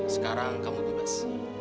sekarang kamu bebas